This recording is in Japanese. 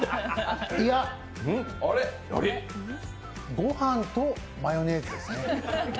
いや、ご飯とマヨネーズですね。